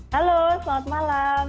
halo selamat malam